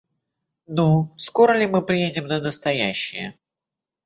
Ну, скоро ли мы приедем на настоящее?